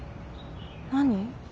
何？